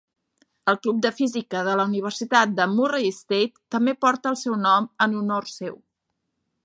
El club de física de la universitat de Murray State també porta el seu nom en honor seu.